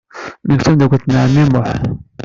Nekk d tameddakelt n ɛemmi Muḥ.